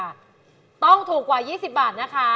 ถ้าแพงกว่า๒๐บาทนะคะ